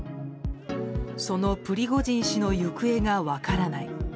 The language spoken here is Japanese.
そのプリゴジン氏の行方が分からない。